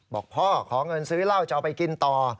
บอกพ่อขอเงินซื้อเหล้าจะเอาไปกินต่อ